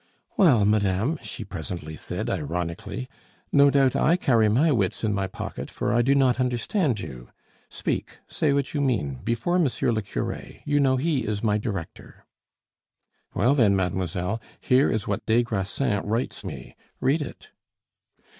"Well, madame," she presently said, ironically, "no doubt I carry my wits in my pocket, for I do not understand you. Speak, say what you mean, before monsieur le cure; you know he is my director." "Well, then, mademoiselle, here is what des Grassins writes me. Read it."